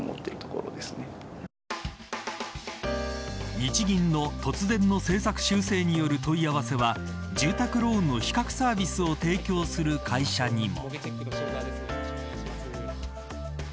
日銀の突然の政策修正による問い合わせは住宅ローンの比較サービスを提供する会社にも。